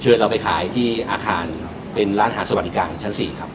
เชิญเราไปขายที่อาคารเป็นร้านอาหารสมัครกลางชั้นสี่ครับ